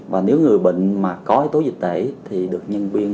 và nếu người bệnh mà có tố dịch tễ thì được nhân viên sẽ